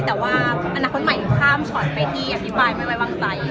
แต่ว่าอนาคตใหม่ข้ามช็อตไปที่อภิปรายไม่ไว้วางใจ